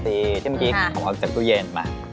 ที่เมื่อกี้ขอออกจากตู้เย็น